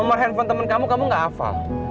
nomor handphone temen kamu kamu nggak hafal